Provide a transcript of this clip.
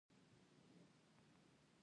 د ګردیز بالاحصار ډیر لرغونی دی